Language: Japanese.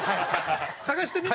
探してみ？